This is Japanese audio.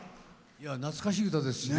懐かしい歌ですしね。